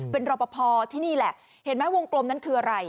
เป็นรอปภที่นี่แหละเห็นไหมวงกลมนั้นคืออะไร